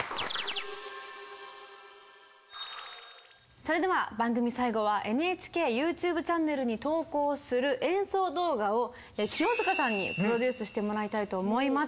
それでは番組最後はＮＨＫＹｏｕＴｕｂｅチャンネルに投稿する演奏動画を清塚さんにプロデュースしてもらいたいと思います。